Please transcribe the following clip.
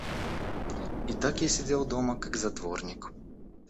И так я сидел дома как затворник.